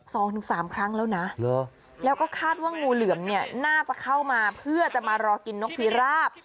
สองถึงสามครั้งแล้วนะแล้วก็คาดว่างูเหลือมเนี่ยน่าจะเข้ามาเพื่อจะมารอกินนกพิราบ